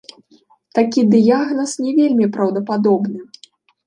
Такі дыягназ не вельмі праўдападобны.